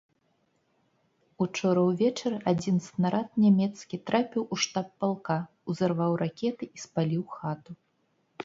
Учора ўвечары адзін снарад нямецкі трапіў у штаб палка, узарваў ракеты і спаліў хату.